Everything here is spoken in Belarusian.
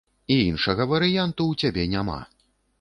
І іншага варыянту ў цябе няма.